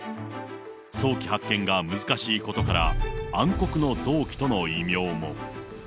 早期発見が難しいことから、暗黒の臓器との異名も。